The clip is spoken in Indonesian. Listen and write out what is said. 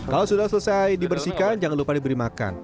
kalau sudah selesai dibersihkan jangan lupa diberi makan